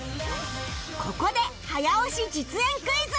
ここで早押し実演クイズ！